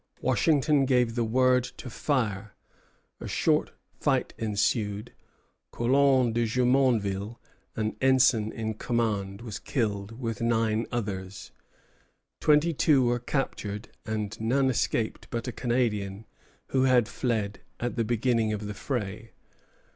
Washington gave the word to fire. A short fight ensued. Coulon de Jumonville, an ensign in command, was killed, with nine others; twenty two were captured, and none escaped but a Canadian who had fled at the beginning of the fray.